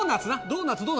ドーナツ！